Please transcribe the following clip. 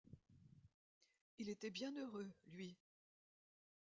Il était bien heureux, lui!